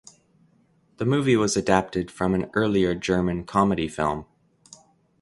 The movie was adapted from an earlier German comedy film.